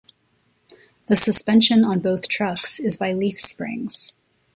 The suspension on both trucks is by leaf springs.